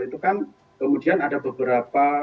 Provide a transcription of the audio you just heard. itu kan kemudian ada beberapa